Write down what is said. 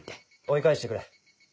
追い返してくれ。